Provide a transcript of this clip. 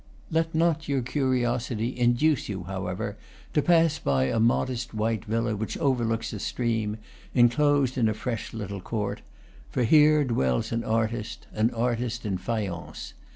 Let not your curiosity induce you, however, to pass by a modest white villa which overlooks the stream, enclosed in a fresh little court; for here dwells an artist, an artist in faience.